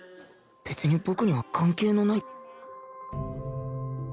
別に僕には関係のない